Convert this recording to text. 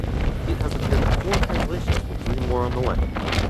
It has appeared in four translations, with three more on the way.